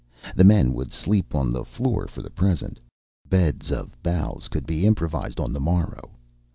The men would sleep on the floor for the present. Beds of boughs could be improvised on the morrow.